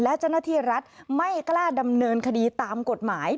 และชน้ทิรัฐไม่กล้าดำเนินคดีตามกฎหมาย